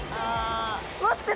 待って。